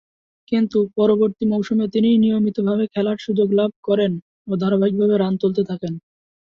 কিন্তু, পরবর্তী মৌসুমে তিনি নিয়মিতভাবে খেলার সুযোগ লাভ করেন ও ধারাবাহিকভাবে রান তুলতে থাকেন।